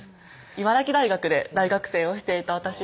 茨城大学で大学生をしていた私が